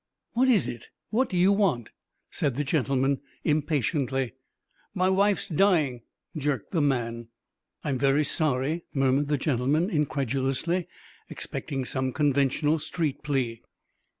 "What is it? What do you want?" said the gentleman impatiently. "My wife's dying," jerked the man. "I'm very sorry," murmured the gentleman incredulously, expecting some conventional street plea.